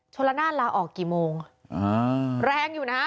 ชนละนานลาออกกี่โมงแรงอยู่นะฮะ